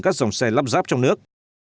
các dòng xe lắp ráp trong nước